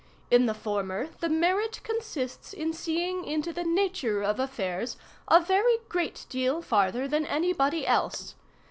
In the former the merit consists in seeing into the nature of affairs a very great deal farther than anybody else.